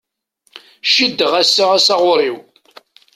Ciddeɣ ass-a asaɣur-iw.